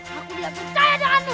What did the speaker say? aku tidak percaya denganmu